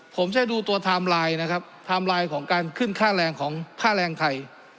ผมจะดูตัวไทม์ไลน์นะครับไทม์ไลน์ของการขึ้นค่าแรงของค่าแรงไทย